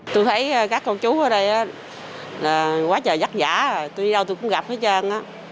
tôi thấy các con chú ở đây quá trời rắc rã tôi đi đâu tôi cũng gặp hết trơn